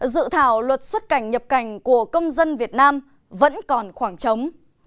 dự thảo luật xuất cảnh nhập cảnh của công dân việt nam vẫn còn khoảng trống